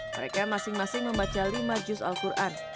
mereka masing masing membaca lima juz al quran